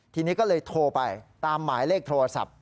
ทีนี้ก็เลยโทรไปตามหมายเลขโทรศัพท์